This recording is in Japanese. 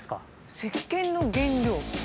せっけんの原料。